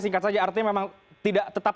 singkat saja artinya memang tidak tetap